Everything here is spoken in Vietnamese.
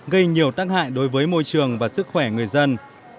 gây nhiều tác hại đối với môi trường và sức khỏe người dân